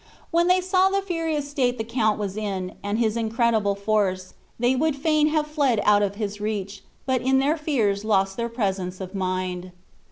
When they saw the furious state the Count was in, and his incredible force, they would fain have fled out of his reach, but in their fears lost their presence of mind.